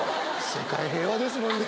世界平和ですもんね。